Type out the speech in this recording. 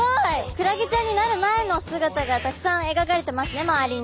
クラゲちゃんになる前の姿がたくさんえがかれてますね周りに。